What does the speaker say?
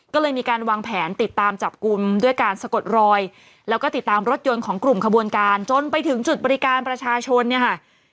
ก็เลยมีการวางแผนติดตามจับกลุ่มด้วยการสะกดรอยแล้วก็ติดตามรถยนต์ของกลุ่มขบวนการจนไปถึงจุดบริการประชาชนเนี่ยค่ะ